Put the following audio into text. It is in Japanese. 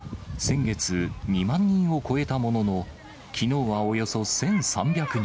上海の新規感染者数は、先月、２万人を超えたものの、きのうはおよそ１３００人。